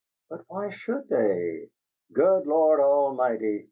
"But why should they?" "Good Lord Admighty!"